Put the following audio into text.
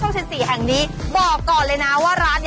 หลังจากน้องลิซ่าอู้หูย